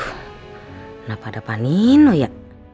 kenapa ada panino ya